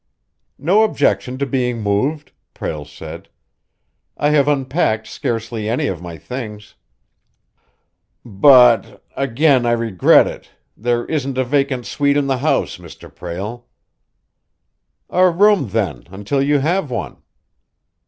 "No objection to being moved," Prale said. "I have unpacked scarcely any of my things." "But again I regret it there isn't a vacant suite in the house, Mr. Prale." "A room, then, until you have one."